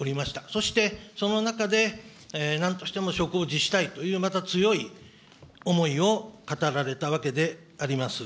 そしてその中で、なんとしても職を辞したいという、また強い思いを語られたわけであります。